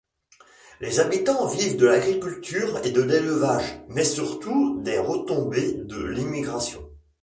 Les habitants vivent de l’agriculture et de l’élevage, mais surtout des retombées de l’émigration.